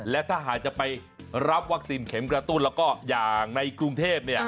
และถ้าหากจะไปรับวัคซีนเข็มกระตุ้นแล้วก็อย่างในกรุงเทพ